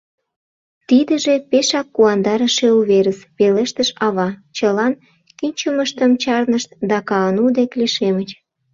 — Тидыже пешак куандарыше уверыс! — пелештыш ава, чылан кӱнчымыштым чарнышт да Каану дек лишемыч.